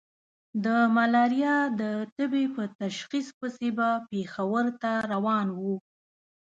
د ملاريا د تبې په تشخيص پسې به پېښور ته روان وو.